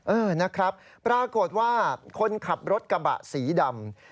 เออนะครับปรากฏว่าคนขับรถกระบะสีดำ